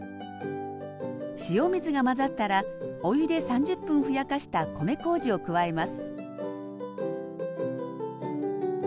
塩水が混ざったらお湯で３０分ふやかした米こうじを加えます